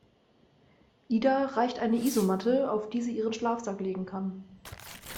Ida reicht eine Isomatte, auf die sie ihren Schlafsack legen kann.